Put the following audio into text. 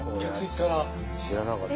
知らなかった。